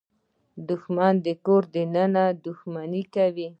دښمن د کور دننه دښمني کوي